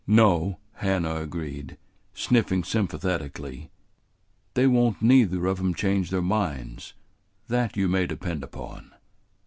"No," Hannah agreed, sniffing sympathetically, "they won't neither of 'em change their minds; that you may depend upon."